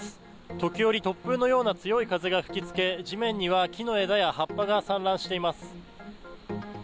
時折、突風のような強い風が吹きつけ、地面には木の枝や葉っぱが散乱しています。